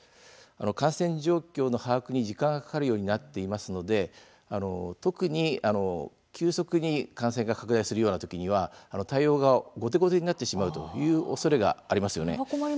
感染状況の把握に時間がかかるようになっていますので特に急速に感染が拡大するような時は対応が後手後手になってしまうというおそれがあります。